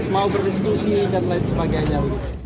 mau berdiskusi dan lain sebagainya